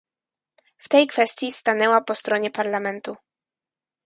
W tej kwestii stanęła po stronie Parlamentu